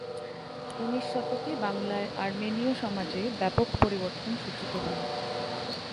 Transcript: উনিশ শতকে বাংলায় আর্মেনীয় সমাজে ব্যাপক পরিবর্তন সূচিত হয়।